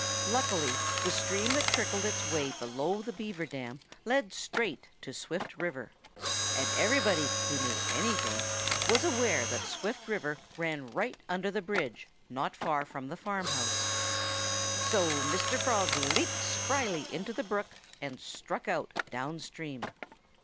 Luckily the stream that trickled its way below the Beaver dam led straight to Swift River. And everybody who knew anything was aware that Swift River ran right under the bridge not far from the farmhouse. So Mr. Frog leaped spryly into the brook and struck out downstream.